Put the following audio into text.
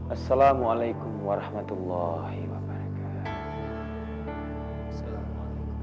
assalamualaikum warahmatullahi wabarakatuh